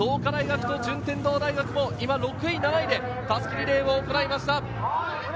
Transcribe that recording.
創価大学と順天堂大学も６位、７位で襷リレーを行いました。